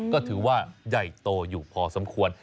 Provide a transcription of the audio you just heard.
ก็ถือว่าใหญ่โตอยู่พอสมควร